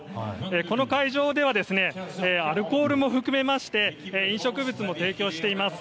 この会場ではアルコールも含めまして飲食物も提供しています。